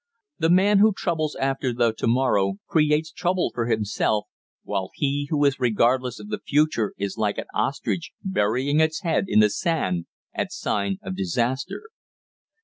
The man who troubles after the to morrow creates trouble for himself, while he who is regardless of the future is like an ostrich burying its head in the sand at sign of disaster.